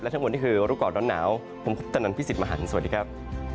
ทั้งหมดนี่คือรู้ก่อนร้อนหนาวผมคุปตนันพี่สิทธิ์มหันฯสวัสดีครับ